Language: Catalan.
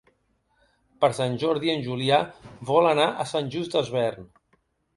Per Sant Jordi en Julià vol anar a Sant Just Desvern.